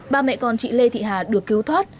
ba mẹ con chị lê thị hà được cứu thoát